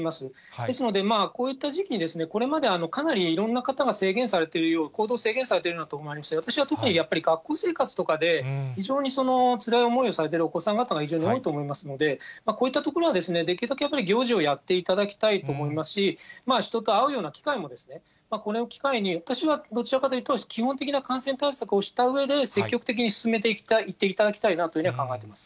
ですのでこういった時期にこれまでかなりいろんな方が制限されて、行動を制限されていると思いますが、私は特にやっぱり学校生活とかで、非常につらい思いされているお子さん方が非常に多いと思いますので、こういったところはできるだけやっぱり、行事をやっていただきたいと思いますし、人と会うような機会も、これを機会に私はどちらかというと、基本的な感染対策をしたうえで、積極的に進めていっていただきたいなというふうには考えています。